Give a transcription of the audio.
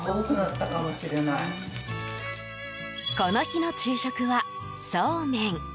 この日の昼食は、そうめん。